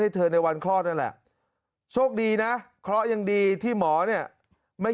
เธอในวันคลอดนั่นแหละโชคดีนะเคราะห์ยังดีที่หมอเนี่ยไม่